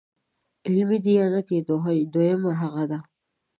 علمي دیانت یې دویمه هغه ده.